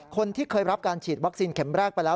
คนที่เคยรับการฉีดวัคซีนเข็มแรกไปแล้ว